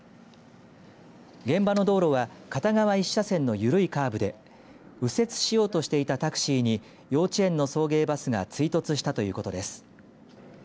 現場の道路は片側１車線の緩いカーブで右折しようとしていたタクシーに幼稚園の送迎バスが追突したということです。